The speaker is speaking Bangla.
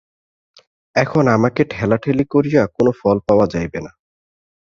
এখন আমাকে ঠেলাঠেলি করিয়া কোনো ফল পাওয়া যাইবে না।